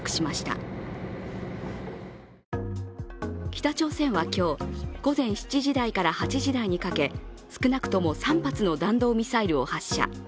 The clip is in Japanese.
北朝鮮は今日、午前７時台から８時台にかけ少なくとも３発の弾道ミサイルを発射。